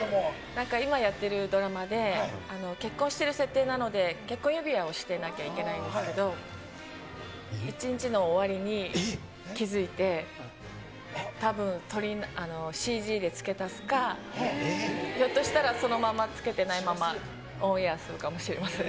なんか今やってるドラマで、結婚してる設定なので、結婚指輪をしてなきゃいけないんですけれども、一日の終わりに気付いて、たぶんＣＧで付け足すか、ひょっとしたら、そのままつけてないままオンエアするかもしれません。